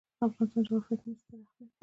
د افغانستان جغرافیه کې مس ستر اهمیت لري.